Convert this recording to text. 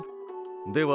では